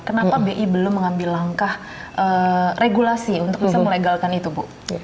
kenapa bi belum mengambil langkah regulasi untuk bisa melegalkan itu bu